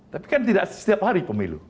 tapi kan tidak setiap hari pemilu